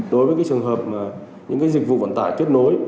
đối với trường hợp mà những dịch vụ vận tải kết nối